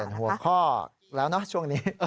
เปลี่ยนหัวข้อแล้วเนอะช่วงนี้